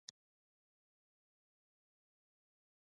هیڅوک باید وږی ونه ویده شي.